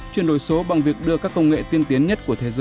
chuyển đổi số bằng việc đưa các công nghệ tiên tiến nhất